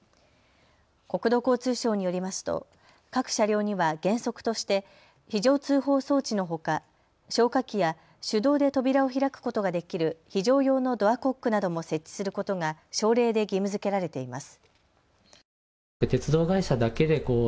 国土交通省によりますと各車両には原則として非常通報装置のほか消火器や手動で扉を開くことができる非常用のドアコックなども設置することが省令で義務づけられています。